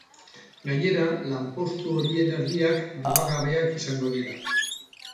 Gainera, lanpostu horien erdiak mugagabeak izango dira.